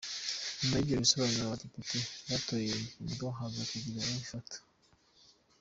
Nyuma y’ibyo bisobanuro, abadepite batoye iyo ngingo, haza kugira abifata.